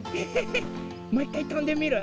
もういっかいとんでみる？